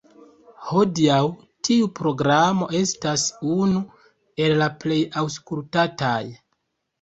Hodiaŭ tiu programo estas unu el la plej aŭskultataj.